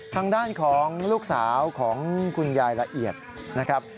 ทางด้านของลูกสาวของคุณยายละเอียดนะครับ